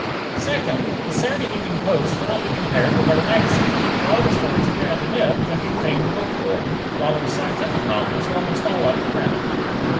Second: The Saturday Evening Post cannot be compared with our magazine, for all the stories printed in it can be obtained in book form, while the scientific novels are almost all out of print.